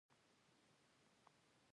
خبره به یې پرې تېره کړه.